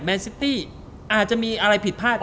ซิตี้อาจจะมีอะไรผิดพลาด